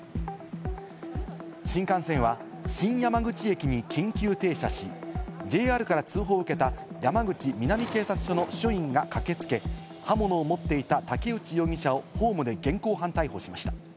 新幹線は新山口駅に緊急停車し、ＪＲから通報を受けた山口南警察署の署員が駆けつけ、刃物を持っていた竹内容疑者をホームで現行犯逮捕しました。